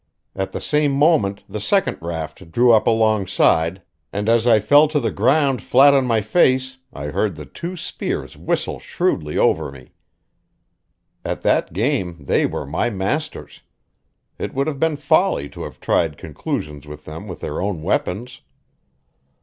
At the same moment the second raft drew up alongside, and as I fell to the ground flat on my face I heard the two spears whistle shrewdly over me. At that game they were my masters; it would have been folly to have tried conclusions with them with their own weapons.